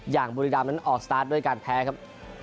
บุรีรามนั้นออกสตาร์ทด้วยการแพ้ครับ